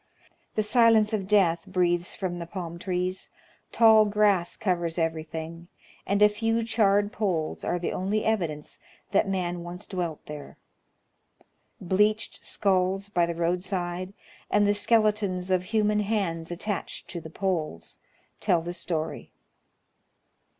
The silence of death breathes from the palm trees, tall grass covers every thing, and a few charred poles are the only evidence that man once dwelt there. Bleached skulls by the I'oadside, and the skeletons of human hands attached to the poles, tell the siory.